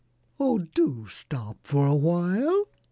"Oh, do stop for a while!"